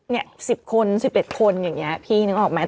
๑๐คน๑๑คนอย่างนี้พี่นึกออกไหม